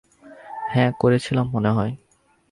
হ্যাঁ, করেছিলাম মনে হয়।